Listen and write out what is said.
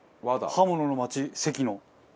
刃物のまち関の。